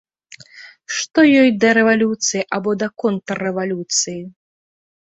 Што ёй да рэвалюцыі або да контррэвалюцыі?